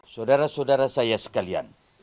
saudara saudara saya sekalian